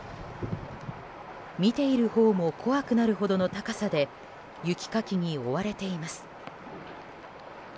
見ているほうも怖くなるほどの高さで雪かきに追われています。